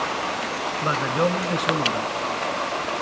Batallón de Sonora.